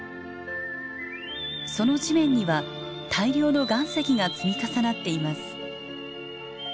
その地面には大量の岩石が積み重なっています。